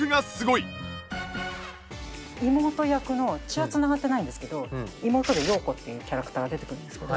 妹役の血は繋がってないんですけど妹で洋子っていうキャラクターが出てくるんですけど。